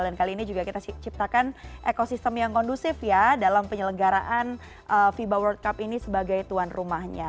dan kali ini juga kita ciptakan ekosistem yang kondusif ya dalam penyelenggaraan fiba world cup ini sebagai tuan rumahnya